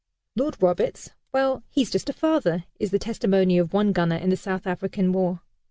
"Lord Roberts! Well, he's just a father," is the testimony of one gunner in the South African War.